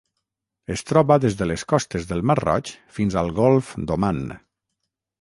Es troba des de les costes del Mar Roig fins al Golf d'Oman.